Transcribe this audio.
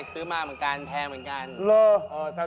ซื้อมาเหมือนกันแพงเหมือนกัน